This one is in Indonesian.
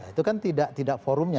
itu kan tidak forumnya